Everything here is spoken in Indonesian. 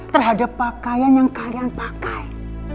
terhadap pakaian yang kalian pakai